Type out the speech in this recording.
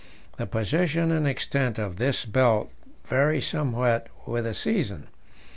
The position and extent of this belt vary somewhat with the season.